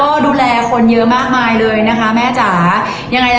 ค่ะกติกาสำหรับข้อนี้นะครับก็คือรีดเสื้อและกางเกงจำนวนอย่างละสี่ตัว